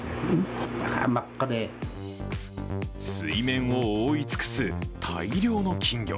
水面を覆い尽くす大量の金魚。